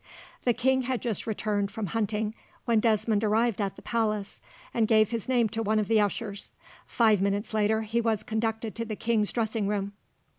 The king had just returned from hunting when Desmond arrived at the palace, and gave his name to one of the ushers. Five minutes later, he was conducted to the king's dressing room.